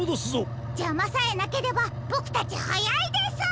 じゃまさえなければボクたちはやいです。